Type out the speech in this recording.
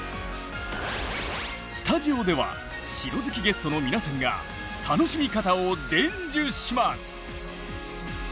スタジオでは城好きゲストの皆さんが楽しみ方を伝授します！